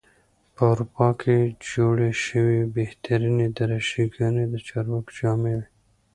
په اروپا کې جوړې شوې بهترینې دریشي ګانې د چارواکو جامې وې.